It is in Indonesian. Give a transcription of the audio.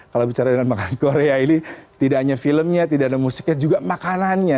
kalau bicara dengan makanan korea ini tidak hanya filmnya tidak ada musiknya juga makanannya